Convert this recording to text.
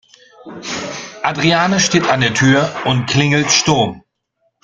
Adriane steht an der Tür und klingelt Sturm.